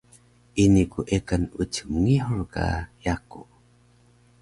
ini ku ekan ucik mngihur ka yaku